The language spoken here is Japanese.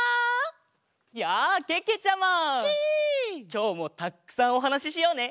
きょうもたっくさんおはなししようね！